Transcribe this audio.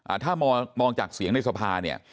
ถ้ามองมองจากเสียงในสภาเนี่ย